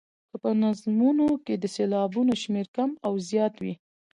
که په نظمونو کې د سېلابونو شمېر کم او زیات وي.